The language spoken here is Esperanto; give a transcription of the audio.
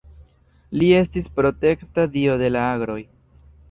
Li estis protekta dio de la agroj.